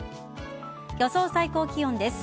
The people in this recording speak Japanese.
予想最高気温です。